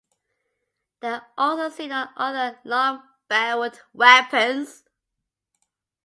They are also seen on other long-barrelled weapons.